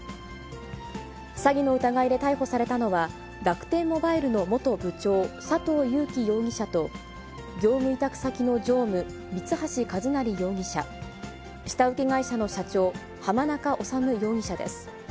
詐欺の疑いで逮捕されたのは、楽天モバイルの元部長、佐藤友紀容疑者と、業務委託先の常務、三橋一成容疑者、下請け会社の社長、浜中治容疑者です。